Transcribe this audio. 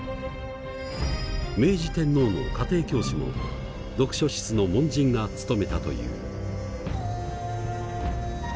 明治天皇の家庭教師も読書室の門人が務めたという。